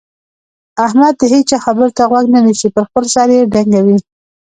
احمد د هيچا خبرې ته غوږ نه نيسي؛ پر خپل سر يې ډنګوي.